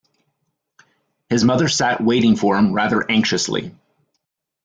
His mother sat waiting for him rather anxiously.